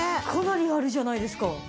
かなりあるじゃないですか！